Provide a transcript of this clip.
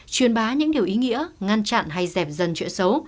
truyền bá những điều ý nghĩa ngăn chặn hay dẹp dần chuyện xấu